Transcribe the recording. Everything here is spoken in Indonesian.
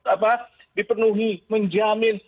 apa dipenuhi menjamin